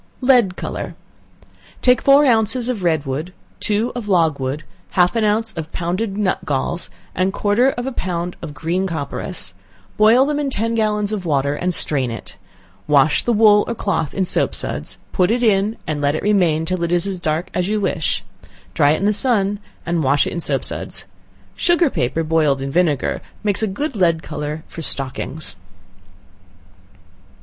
Lead Color. Take four ounces of red wood, two of logwood, half an ounce of pounded nut galls, and quarter of a pound of green copperas; boil them in ten gallons of water, and strain it; wash the wool or cloth in soap suds, put it in, and let it remain till it is as dark as you wish it; dry it in the sun, and wash it in soap suds. Sugar paper, boiled in vinegar, makes a good lead color for stockings.